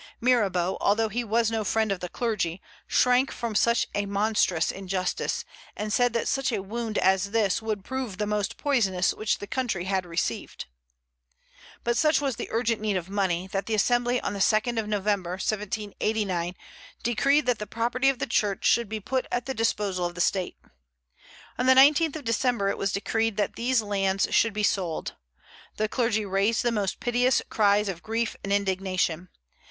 Mirabeau, although he was no friend of the clergy, shrank from such a monstrous injustice, and said that such a wound as this would prove the most poisonous which the country had received. But such was the urgent need of money, that the Assembly on the 2d of November, 1789, decreed that the property of the Church should be put at the disposal of the State. On the 19th of December it was decreed that these lands should be sold. The clergy raised the most piteous cries of grief and indignation.